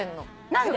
何で？